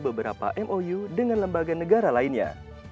beberapa mou dengan lembaga negara lainnya